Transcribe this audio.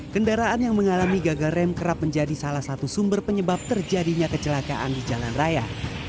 kendaraan yang mengalami gagal rem kerap menjadi salah satu sumber penyebab terjadinya kecelakaan di jalan raya